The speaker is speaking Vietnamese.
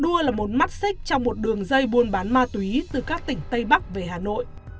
đua là một mắt xích trong một đường dây buôn bán ma túy từ các tỉnh tây bắc về hà nội